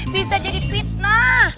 bisa jadi fitnah